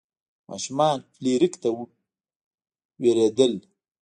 ماشومان فلیریک ته ویرېدل.